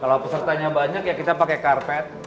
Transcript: kalau pesertanya banyak ya kita pakai karpet